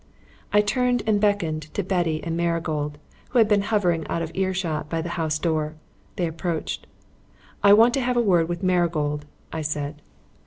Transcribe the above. I turned and beckoned to Betty and Marigold, who had been hovering out of earshot by the house door. They approached. "I want to have a word with Marigold," I said.